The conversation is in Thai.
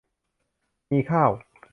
มีข้าว